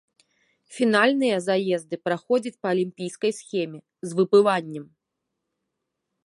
Фінальныя заезды праходзяць па алімпійскай схеме, з выбываннем.